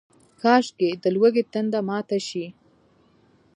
کاشکي، د لوږې تنده ماته شي